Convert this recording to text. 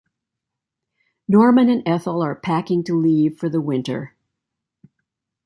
Norman and Ethel are packing to leave for the winter.